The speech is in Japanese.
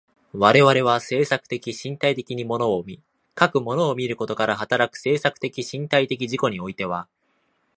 我々は制作的身体的に物を見、かく物を見ることから働く制作的身体的自己においては、